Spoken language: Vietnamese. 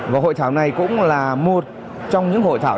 và hội thảo này cũng là một trong những hội thảo